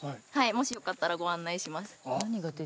もしよかったらご案内します